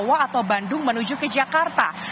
atau bandung menuju ke jakarta